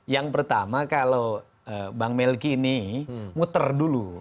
yang pertama kalau bang melki ini muter dulu